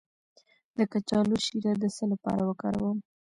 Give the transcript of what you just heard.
د کچالو شیره د څه لپاره وکاروم؟